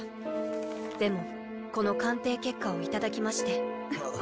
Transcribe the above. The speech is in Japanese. でもこの鑑定結果をいただきまして。